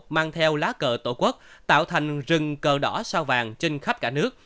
mang theo lá cờ tổ quốc tạo thành rừng cờ đỏ sao vàng trên khắp cả nước